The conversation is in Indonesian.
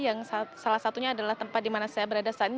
yang salah satunya adalah tempat di mana saya berada saat ini